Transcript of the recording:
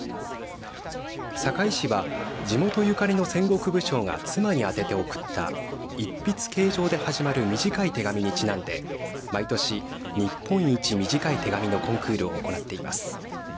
坂井市は地元ゆかりの戦国武将が妻にあてて送った一筆啓上で始まる短い手紙にちなんで毎年、日本一短い手紙のコンクールを行っています。